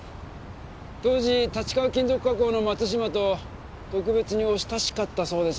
当時立川金属加工の松島と特別にお親しかったそうですね。